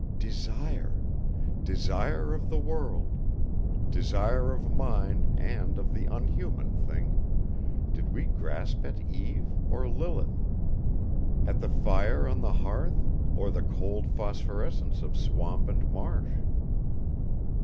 Desire! Desire of the world! Desire of mine and of the unhuman Thing, did we grasp at Eve or Lilith? At the fire on the hearth or the cold phosphorescence of swamp and marsh?